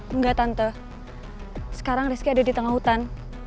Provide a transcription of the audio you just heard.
enggak tante sekarang rizky ada di tengah hutan